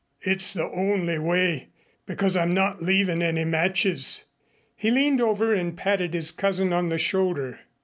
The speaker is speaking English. It's the only way, because I'm not leaving any matches." He leaned over and patted his cousin on the shoulder.